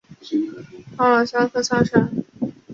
阿瓦萨克萨山。